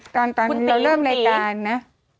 ตอนเราเริ่มรายการนะ